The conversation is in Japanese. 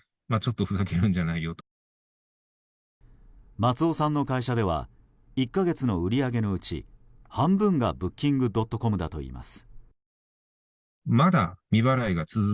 松尾さんの会社では１か月の売り上げのうち半分がブッキングドットコムだといいます。